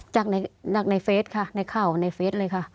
จากในเฟสค่ะในข่าวในเฟสเลยค่ะ